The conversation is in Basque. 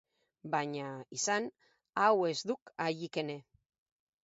Baina, izan, hau ez duk Allikene.